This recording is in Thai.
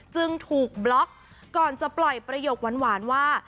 จึงถูกบล็อกก่อนจะปล่อยประโยคหวานว่า